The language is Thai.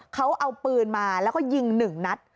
เขาเอาปืนมาแล้วก็ยิง๑นัด